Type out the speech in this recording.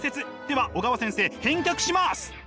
では小川先生返却します！